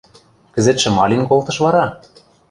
Кӹзӹтшӹ ма лин колтыш вара?